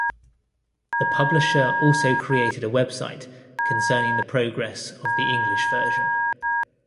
The publisher also created a website concerning the progress of the English version.